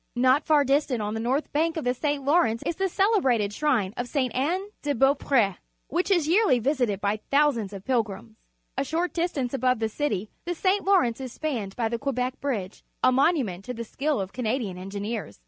Not far dis tant on the north bank of the St. Lawrence is the celebrated skrine of S(e. Anne de Beau pr e^ which is j'earlj' ^^sited bj^ thousands of pilgrims. A short distance above the cit^^ the St. Lawrence is spanned by the Quebec Bridge, a monument to the skill of Canadian en gineers.